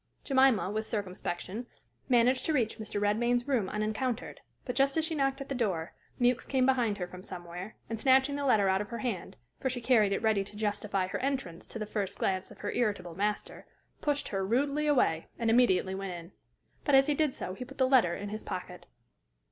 Jemima, with circumspection, managed to reach Mr. Redmain's room unencountered, but just as she knocked at the door, Mewks came behind her from somewhere, and snatching the letter out of her hand, for she carried it ready to justify her entrance to the first glance of her irritable master, pushed her rudely away, and immediately went in. But as he did so he put the letter in his pocket.